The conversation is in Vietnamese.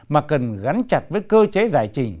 mà cần gắn chặt với cơ chế giải trình